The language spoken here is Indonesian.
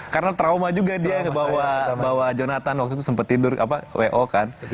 karena trauma juga dia bawa jonathan waktu itu sempet tidur w o kan